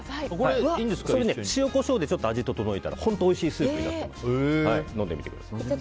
塩、コショウでちょっと味を調えたら本当おいしいスープになったので飲んでみてください。